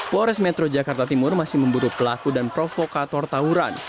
polres metro jakarta timur masih memburu pelaku dan provokator tawuran